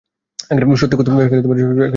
সত্যি কথা তো বলতে হবে।